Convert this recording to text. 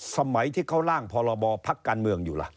สมัยที่เขาร่างพรบพักการเมืองอยู่ล่ะ